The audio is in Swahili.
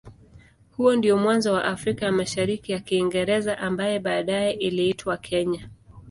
Huo ndio mwanzo wa Afrika ya Mashariki ya Kiingereza ambaye baadaye iliitwa Kenya.